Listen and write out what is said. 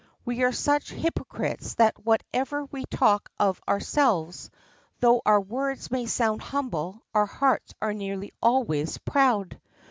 We are such hypocrites that whatever we talk of ourselves, though our words may sound humble, our hearts are nearly always proud.